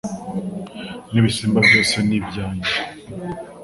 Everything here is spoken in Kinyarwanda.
n’ibisimba byose ni ibyanjye